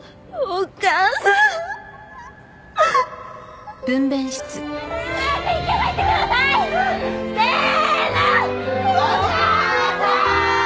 お母さーん！